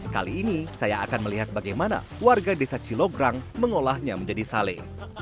kali ini saya akan melihat bagaimana warga desa cilograng mengolahnya menjadi sale